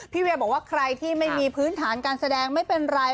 เวียบอกว่าใครที่ไม่มีพื้นฐานการแสดงไม่เป็นไร